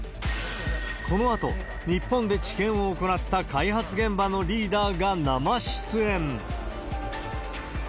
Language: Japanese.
このあと、日本で治験を行った開発現場のリーダーが生出演。